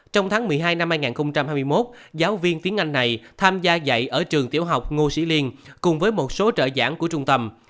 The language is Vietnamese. trong tháng một mươi hai năm hai nghìn hai mươi một giáo viên tiếng anh này tham gia dạy ở trường tiểu học ngô sĩ liên cùng với một số trợ giảng của trung tâm